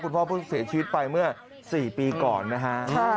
พ่อเพิ่งเสียชีวิตไปเมื่อ๔ปีก่อนนะฮะ